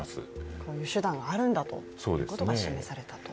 こういう手段があるんだということが示されたと。